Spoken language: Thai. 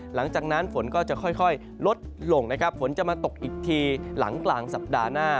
หลังจากนั้นฝนก็จะค่อยลดลงนะครับฝนจะมาตกอีกทีหลังกลางสัปดาห์หน้า